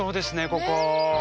ここ。